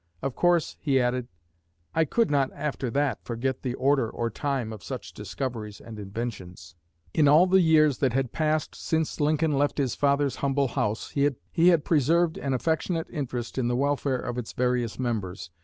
'Of course,' he added, 'I could not after that forget the order or time of such discoveries and inventions.'" In all the years that had passed since Lincoln left his father's humble house, he had preserved an affectionate interest in the welfare of its various members.